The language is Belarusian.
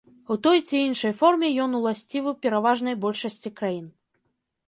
У той ці іншай форме ён уласцівы пераважнай большасці краін.